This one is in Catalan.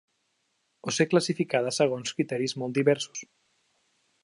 O ser classificada segons criteris molt diversos.